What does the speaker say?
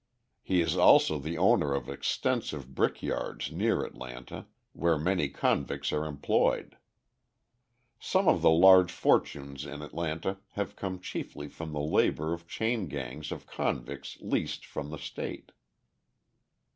He is also the owner of extensive brick yards near Atlanta, where many convicts are employed. Some of the large fortunes in Atlanta have come chiefly from the labour of chain gangs of convicts leased from the state.